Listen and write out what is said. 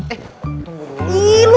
eh tunggu dulu